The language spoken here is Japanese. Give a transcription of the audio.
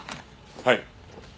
はい。